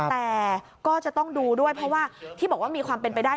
แต่ก็จะต้องดูด้วยเพราะว่าที่บอกว่ามีความเป็นไปได้